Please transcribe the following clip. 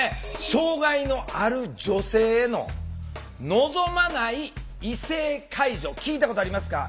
障害のある女性の「望まない異性介助」聞いたことありますか？